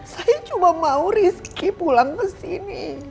saya cuma mau rizky pulang kesini